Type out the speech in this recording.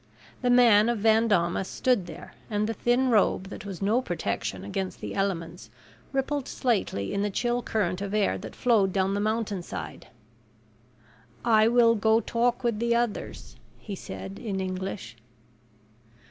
The man of Van Daamas stood there and the thin robe that was no protection against the elements rippled slightly in the chill current of air that flowed down the mountainside. "I will go talk with the others," he said in English.